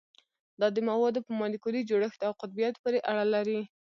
دا د موادو په مالیکولي جوړښت او قطبیت پورې اړه لري